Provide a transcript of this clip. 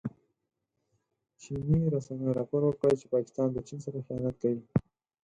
چیني رسنیو راپور ورکړی چې پاکستان د چین سره خيانت کوي.